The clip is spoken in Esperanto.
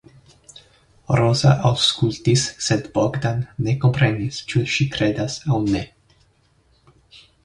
Roza aŭskultis, sed Bogdan ne komprenis ĉu ŝi kredas aŭ ne.